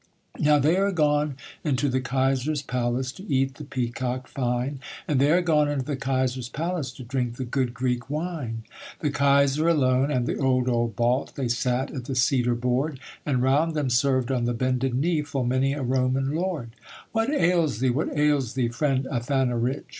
Now they are gone into the Kaiser's palace To eat the peacock fine, And they are gone into the Kaiser's palace To drink the good Greek wine. The Kaiser alone, and the old old Balt, They sat at the cedar board; And round them served on the bended knee Full many a Roman lord. 'What ails thee, what ails thee, friend Athanarich?